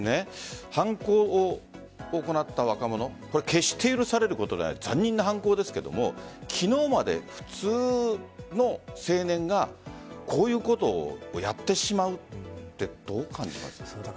犯行を行った若者決して許されることではない残忍な犯行ですが昨日まで普通の青年がこういうことをやってしまうってどう感じますか？